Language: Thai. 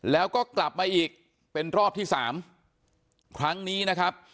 แล้วก็กลับมาอีกเป็นรอบที่สามครั้งนี้นะครับ